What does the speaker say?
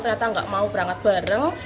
ternyata nggak mau berangkat bareng